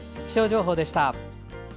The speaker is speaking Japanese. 気象情報でした。